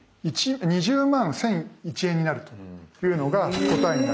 ２０万１，００１円になるというのが答えになります。